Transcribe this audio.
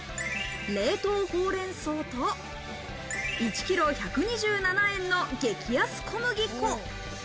冷凍ほうれん草と１ｋｇ１２７円の激安小麦粉。